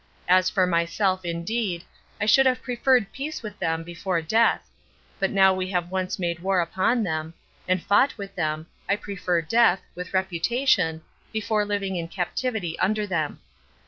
As for myself, indeed, I should have preferred peace with them before death; but now we have once made war upon them, and fought with them, I prefer death, with reputation, before living in captivity under them.